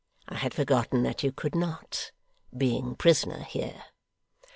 I had forgotten that you could not, being prisoner here.